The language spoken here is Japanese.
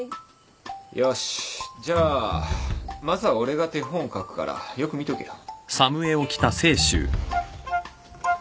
よしじゃあまずは俺が手本を書くからよく見とけよ。